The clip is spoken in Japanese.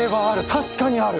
確かにある！